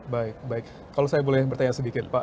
baik baik kalau saya boleh bertanya sedikit pak